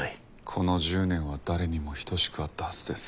この１０年は誰にも等しくあったはずです。